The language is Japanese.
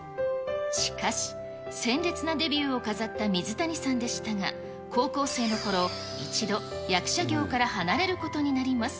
しかし、鮮烈なデビューを飾った水谷さんでしたが、高校生のころ、一度役者業から離れることになります。